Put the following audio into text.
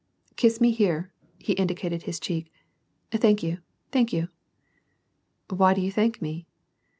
"Kiss me here." He indicated his cheek. "Thank you, thank you." " Why do you thank me